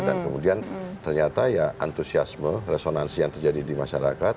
dan kemudian ternyata ya antusiasme resonansi yang terjadi di masyarakat